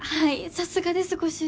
さすがですご主人。